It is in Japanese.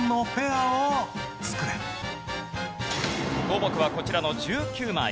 項目はこちらの１９枚。